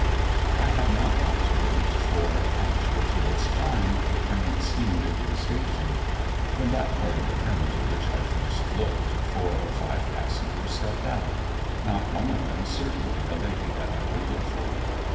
I had not long to wait, for, punctual to its time, the train steamed into the station. From that part of the train to which I first looked, four or five passengers stepped out; not one of them certainly the lady that I waited for.